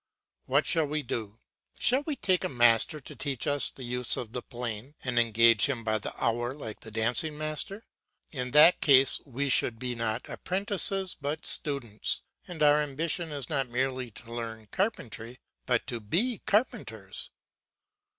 What shall we do? Shall we take a master to teach us the use of the plane and engage him by the hour like the dancing master? In that case we should be not apprentices but students, and our ambition is not merely to learn carpentry but to be carpenters.